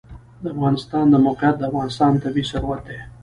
د افغانستان د موقعیت د افغانستان طبعي ثروت دی.